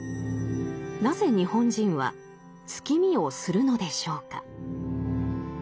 なぜ日本人は月見をするのでしょうか。